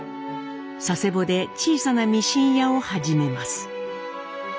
佐世保で小さなミシン屋を始めます。